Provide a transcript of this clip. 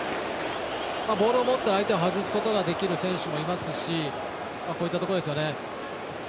ボールで相手を外すことができる選手もいますしこういったところですよね。